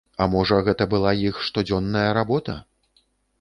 А можа, гэта была іх штодзённая работа?